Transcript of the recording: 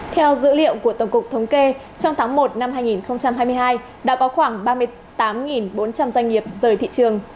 theo dữ liệu của tổng cục thống kê trong tháng một năm hai nghìn hai mươi hai đã có khoảng ba mươi tám bốn trăm linh doanh nghiệp rời thị trường